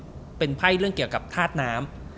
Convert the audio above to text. ก็คือไพ่ถ้วยเป็นไพ่เรื่องเกี่ยวกับธาตุน้ำ